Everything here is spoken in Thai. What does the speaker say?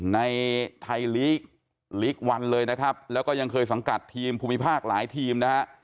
ในไทยลีกลีกวันเลยนะครับแล้วก็ยังเคยสังกัดทีมภูมิภาคหลายทีมนะฮะ